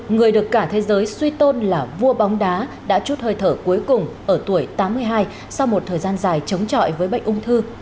người được cả thế giới suy tôn là vua bóng đá đã chút hơi thở cuối cùng ở tuổi tám mươi hai sau một thời gian dài chống trọi với bệnh ung thư